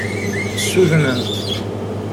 Ssudnen-t.